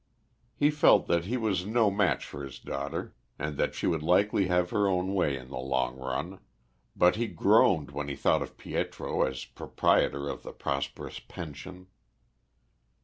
He felt that he was no match for his daughter, and that she would likely have her own way in the long run, but he groaned when he thought of Pietro as proprietor of the prosperous pension.